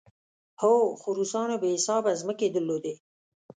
هو، خو روسانو بې حسابه ځمکې درلودې.